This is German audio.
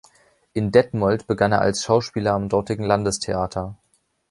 In Detmold begann er als Schauspieler am dortigen Landestheater.